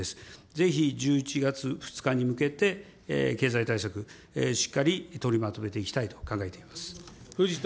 ぜひ、１１月２日に向けて経済対策、しっかり取りまとめていきたいと考えています。